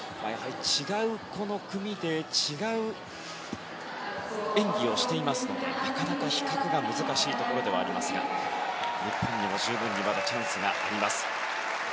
違う組で違う演技をしていますのでなかなか比較が難しいところではありますが日本にも十分にまだチャンスがあります。